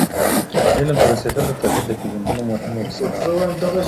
علم ته رسيدل د توحيد د پيژندلو مهمه وسيله ده.